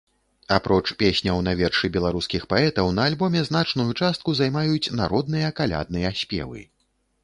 Апроч песняў на вершы беларускіх паэтаў на альбоме значную частку займаюць народныя калядныя спевы.